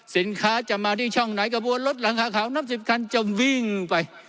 สินค้าจะมาที่ช่องไหนกระบวนรถหลังขาวนับ๑๐คันจะวิ่งไป